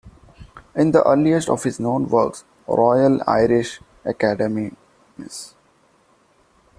In the earliest of his known works, Royal Irish Academy Ms.